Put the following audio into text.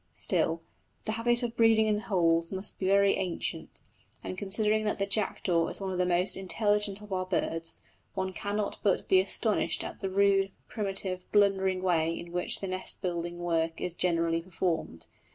Still, the habit of breeding in holes must be very ancient, and considering that the jackdaw is one of the most intelligent of our birds, one cannot but be astonished at the rude, primitive, blundering way in which the nest building work is generally performed.